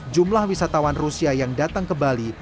jumlah wisatawan rusia yang datang ke bali